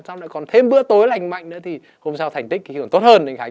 xong rồi còn thêm bữa tối lành mạnh nữa thì hôm sau thành tích thì còn tốt hơn